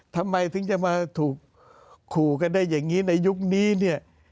ทำไมถึงจะมาถูกขู่กันได้อย่างนี้ในยุคนี้เนี่ย